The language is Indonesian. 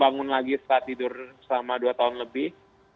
bangun lagi setelah tidur selama dua tahun lebih